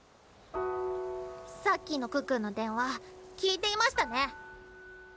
さっきの可可の電話聞いていましたね？